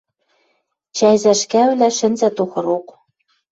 Чӓй цӓшкӓвлӓ шӹнзӓт охырок.